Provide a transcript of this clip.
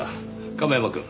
亀山くん。